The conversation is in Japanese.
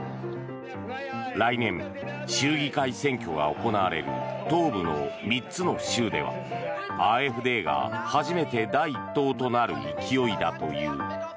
来年、州議会選挙が行われる東部の３つの州ではＡｆＤが初めて第１党となる勢いだという。